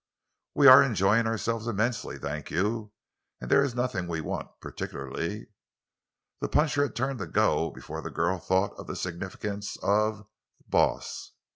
"We are enjoying ourselves immensely, thank you; and there is nothing we want—particularly." The puncher had turned to go before the girl thought of the significance of the "boss."